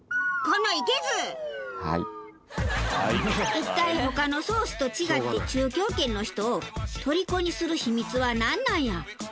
一体他のソースと違って中京圏の人を虜にする秘密はなんなんや？